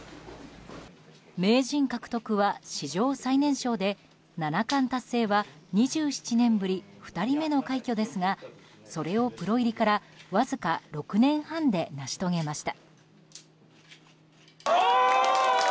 名人獲得は史上最年少で七冠達成は２７年ぶり２人目の快挙ですがそれをプロ入りからわずか６年半で成し遂げました。